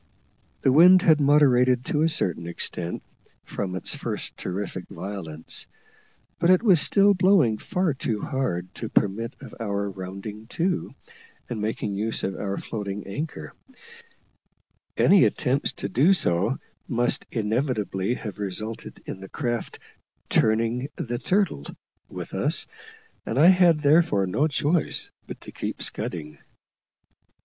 The wind had moderated, to a certain extent, from its first terrific violence; but it was still blowing far too hard to permit of our rounding to, and making use of our floating anchor; any attempt to do so must inevitably have resulted in the craft "turning the turtle" with us, and I had, therefore, no choice but to keep scudding.